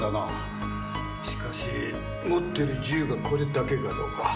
しかし持ってる銃がこれだけかどうか。